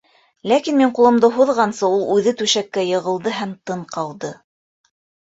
Ләкин мин ҡулымды һуҙғансы, ул үҙе түшәккә йығылды һәм тын ҡалды.